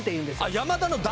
山田の「だ」？